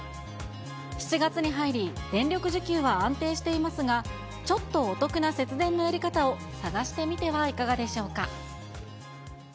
７月に入り、電力需給は安定していますが、ちょっとお得な節電のやり方を探してみてはいかがでしょうか。